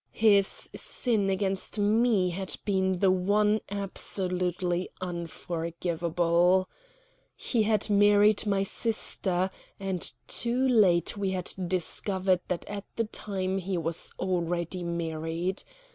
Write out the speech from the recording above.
His sin against me had been the one absolutely unforgivable. He had married my sister; and too late we had discovered that at the time he was already married.